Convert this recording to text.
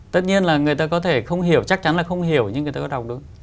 tất nhiên là người ta có thể không hiểu chắc chắn là không hiểu những người ta có đọc được